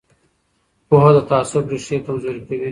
پوهه د تعصب ریښې کمزورې کوي